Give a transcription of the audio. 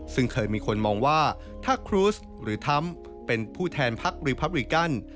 ซึ่งเคยมีคนมองว่าถ้าครูสหรือทรัมป์เป็นผู้แทนพักรีพับริกัน